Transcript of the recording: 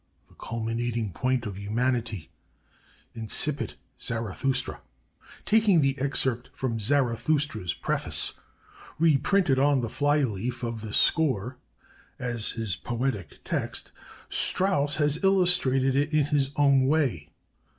The culminating point of Humanity: Incipit Zarathustra.' "Taking the excerpt from 'Zarathustra's Preface,' reprinted on the fly leaf of his score, as his poetic text, Strauss has illustrated it in his own way....